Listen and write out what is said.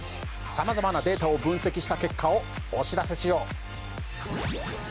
さまざまなデータを分析した結果をお知らせしよう。